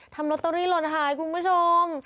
ลอตเตอรี่หล่นหายคุณผู้ชม